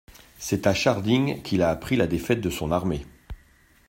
C'est à Scharding qu'il a appris la défaite de son armée.